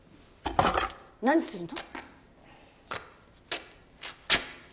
何するの！？